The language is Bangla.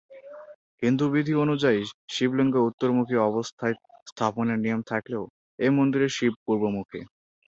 হিন্দু বিধি অনুযায়ী, শিবলিঙ্গ উত্তরমুখী অবস্থায় স্থাপনের নিয়ম থাকলেও এই মন্দিরের শিব পূর্বমুখী।